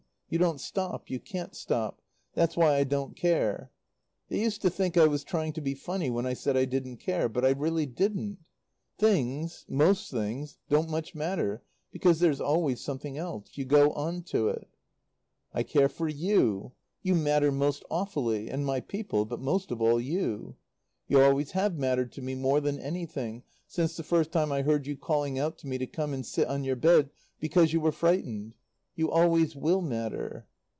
You don't stop; you can't stop. That's why I don't care. They used to think I was trying to be funny when I said I didn't care. But I really didn't. Things, most things, don't much matter, because there's always something else. You go on to it. "I care for you. You matter most awfully; and my people; but most of all you. You always have mattered to me more than anything, since the first time I heard you calling out to me to come and sit on your bed because you were frightened. You always will matter.